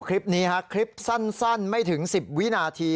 คลิปนี้ฮะคลิปสั้นไม่ถึง๑๐วินาที